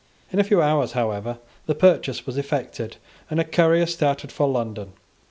In a few hours, however, the purchase was effected, and a courier started for London.